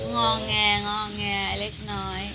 งอแงงอแงเล็กน้อย